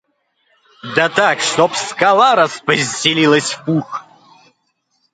Да так, чтоб скала распостелилась в пух.